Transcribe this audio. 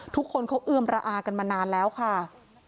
ทุกคนเขาเอือมระอากันมานานแล้วค่ะ